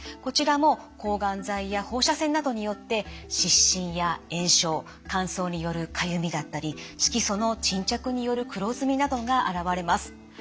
こちらも抗がん剤や放射線などによって湿疹や炎症乾燥によるかゆみだったり色素の沈着による黒ずみなどが現れます。